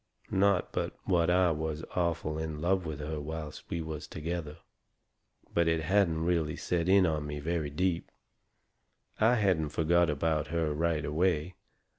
Not but what I was awful in love with her whilst we was together. But it hadn't really set in on me very deep. I hadn't forgot about her right away.